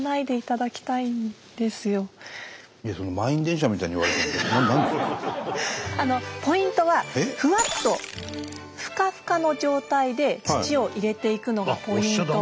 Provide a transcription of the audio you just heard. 伊達さんそんなふうにポイントはふわっとふかふかの状態で土を入れていくのがポイント。